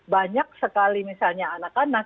banyak sekali misalnya anak anak